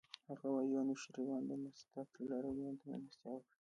هغه وايي انوشیروان د مزدک لارویانو ته مېلمستیا وکړه.